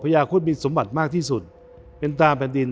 ยาคุดมีสมบัติมากที่สุดเป็นตาแผ่นดิน